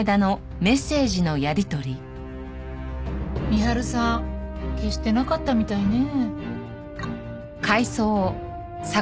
深春さん消してなかったみたいね。